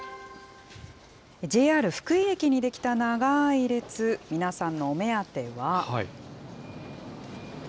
ＪＲ福井駅に出来た長い列、皆さんのお目当ては。